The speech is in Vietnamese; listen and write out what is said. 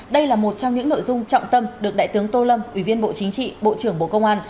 đây là một trong những nội dung trọng tâm được đại tướng tô lâm ủy viên bộ chính trị bộ trưởng bộ công an